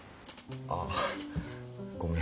ああごめん。